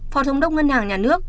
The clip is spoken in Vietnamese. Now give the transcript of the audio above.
phó thống đốc ngân hàng nhà nước